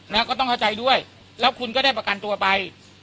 แล้วก็ต้องเข้าใจด้วยแล้วคุณก็ได้ประกันตัวไป